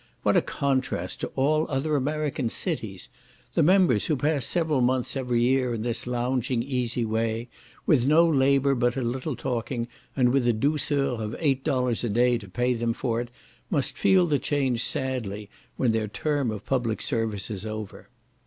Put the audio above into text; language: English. What a contrast to all other American cities! The members, who pass several months every year in this lounging easy way, with no labour but a little talking, and with the douceur of eight dollars a day to pay them for it, must feel the change sadly when their term of public service is over.